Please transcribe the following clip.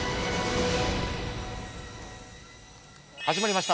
始まりました